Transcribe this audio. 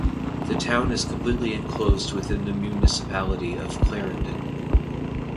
The town is completely enclosed within the municipality of Clarendon.